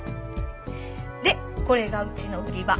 でこれがうちの売り場。